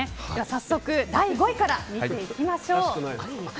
早速、第５位から見ていきましょう。